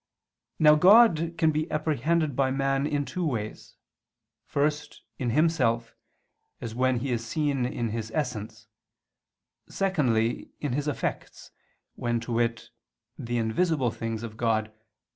Now God can be apprehended by man in two ways; first, in Himself, as when He is seen in His Essence; secondly, in His effects, when, to wit, "the invisible things" of God